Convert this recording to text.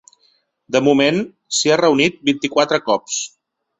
De moment, s’hi ha reunit vint-i-quatre cops.